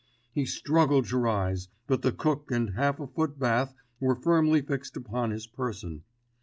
He struggled to rise, but the cook and half a foot bath were firmly fixed upon his person.